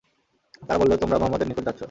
তারা বলল, তোমরা মুহাম্মাদের নিকট যাচ্ছো।